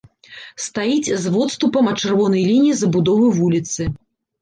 Стаіць з водступам ад чырвонай лініі забудовы вуліцы.